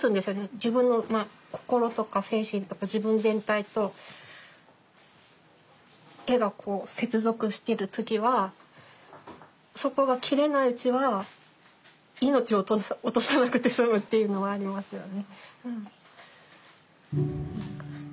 自分の心とか精神とか自分全体と絵がこう接続している時はそこが切れないうちは命を落とさなくて済むっていうのはありますよね。